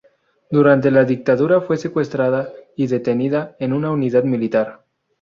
Durante la dictadura fue secuestrada y detenida en una unidad militar.